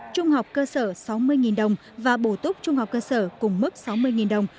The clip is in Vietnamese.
trung học cơ sở sáu mươi đồng và bổ túc trung học cơ sở cùng mức sáu mươi đồng